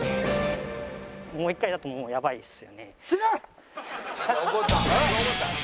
もう１回だともうやばいですよね？